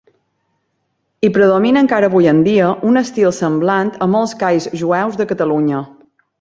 Hi predomina encara avui en dia un estil semblant a molts calls jueus de Catalunya.